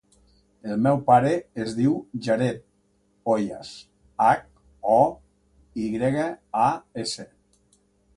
El meu pare es diu Jared Hoyas: hac, o, i grega, a, essa.